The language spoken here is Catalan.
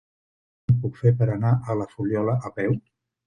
Com ho puc fer per anar a la Fuliola a peu?